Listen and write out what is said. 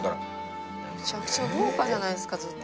めちゃくちゃ豪華じゃないですかずっと。